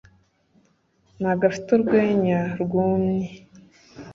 Ntabwo afite urwenya rwumye.